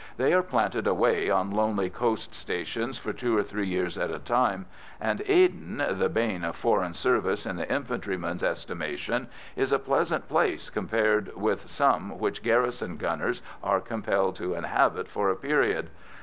They are planted away on lonely coast stations for two or three years at a time, and Aden, the bane of foreign service in the infantryman's estimation, is a pleasant place compared with some which garrison gunners are compelled to inhabit for a period.